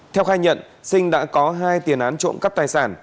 theo khai nhận sinh đã có hai tiền án trộm cắp tài sản